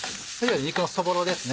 肉のそぼろですね